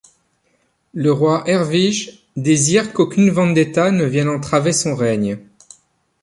Le roi Ervige désire qu'aucune vendetta ne vienne entraver son règne.